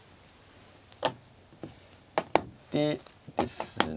でですね。